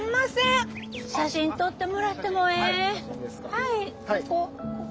はいここ